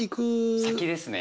先ですね